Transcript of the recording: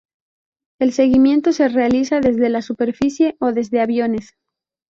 El seguimiento se realiza desde la superficie o desde aviones.